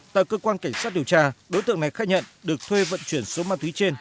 tại cơ quan cảnh sát điều tra đối tượng này khai nhận được thuê vận chuyển số ma túy trên